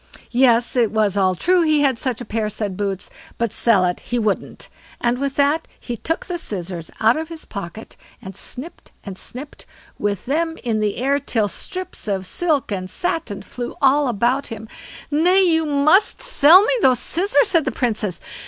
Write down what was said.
Yes, it was all true he had such a pair, said Boots, but sell it he wouldn't; and with that he took the scissors out of his pocket, and snipped and snipped with them in the air till strips of silk and satin flew all about him. "Nay, but you must sell me these scissors", said the Princess.